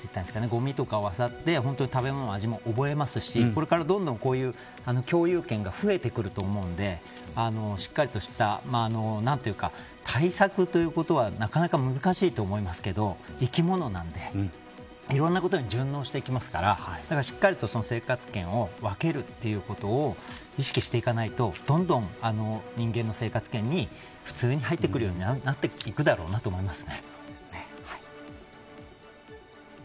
ごみとかをあさって食べ物の味も覚えますしこれからどんどん共有圏が増えてくると思うのでしっかりとした、何というか対策ということはなかなか難しいと思いますけど生き物なんで、いろんなことに順応していきますからだからしっかりと生活圏を分けるということを意識していかないとどんどん人間の生活圏に普通に入ってくるようになっていくだろうなと思います。